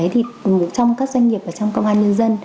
trong các doanh nghiệp và trong công an nhân dân